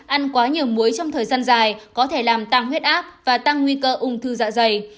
ăn quá nhiều muối trong thời gian dài có thể làm tăng huyết áp và tăng nguy cơ ung thư dạ dày